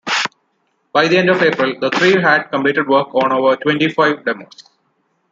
By the end of April, the three had completed work on over twenty-five demos.